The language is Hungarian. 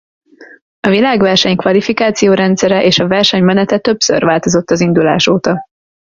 A világverseny kvalifikáció rendszere és a verseny menete többször változott az indulás óta.